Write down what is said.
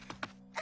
あ！